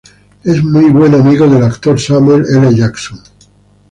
Es muy buen amigo del actor Samuel L. Jackson.